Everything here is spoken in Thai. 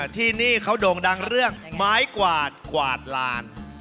ที่นี่เขาโด่งดังเรื่องไม้กวาดกวาดลาน